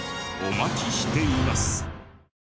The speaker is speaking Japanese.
お待ちしています。